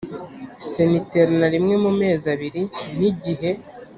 Sena iterana rimwe mu mezi abiri n igihe